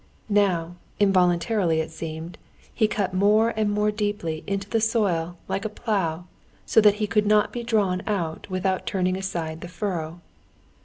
Now, involuntarily it seemed, he cut more and more deeply into the soil like a plough, so that he could not be drawn out without turning aside the furrow.